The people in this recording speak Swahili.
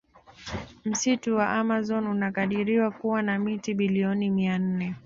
Msitu wa amazon unakadiriwa kuwa na miti billion mia nne